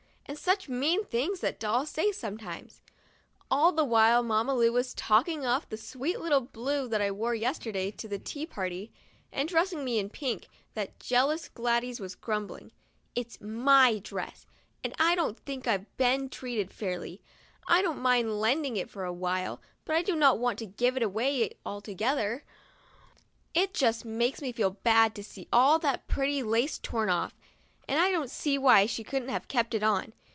And such mean things that dolls say sometimes ! All the while Mamma Lu was taking off the sweet little blue that I wore yesterday to the tea party, and dressing me in my pink, that jealous Gladys was grumbling :" It's my dress, and I don't think I've been treated fairly. I didn't mind lending it for awhile, but I do not want to give it away altogether. It just makes me feel bad to see all that pretty lace torn off, and I don't see why she couldn't have kept it on.